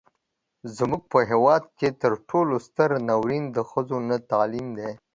زموږ په هیواد کې تر ټولو ستر ناورين د ښځو نه تعليم دی.